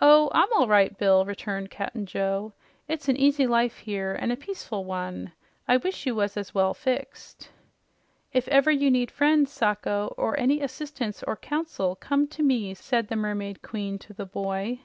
"Oh, I'm all right, Bill," returned Cap'n Joe. "It's an easy life here, an' a peaceful one. I wish you were as well fixed." "If ever you need friends, Sacho, or any assistance or counsel, come to me," said the Mermaid Queen to the boy.